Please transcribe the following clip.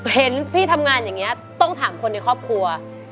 เห็นพี่ทำงานอย่างนี้ต้องถามคนในครอบครัว